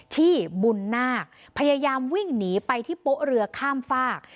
ที่บุญนาคพยายามวิ่งหนีไปที่โป๊ะเรือข้ามฝาก